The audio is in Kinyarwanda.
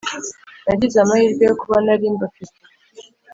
nagize amahirwe yo kuba nari mbafite